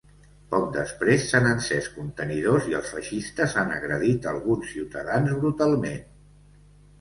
Poc després s’han encès contenidors i els feixistes han agredit alguns ciutadans brutalment.